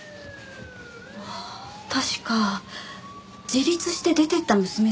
ああ確か自立して出ていった娘さんが１人。